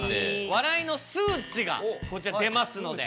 笑いの数値がこちら出ますので。